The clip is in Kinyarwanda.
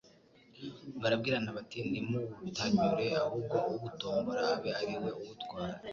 barabwirana bati: "Ntimuwutanyure, ahubwo uwutombora abe ari we uwutwara."